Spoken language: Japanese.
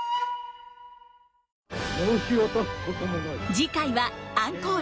次回はアンコール。